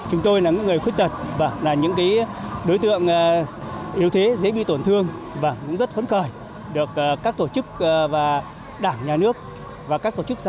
chúng tôi là những người khuyết tật bảo là những đối tượng yếu thế dễ bị tổn thương và cũng rất phấn khởi được các tổ chức và đảng nhà nước và các tổ chức xã hội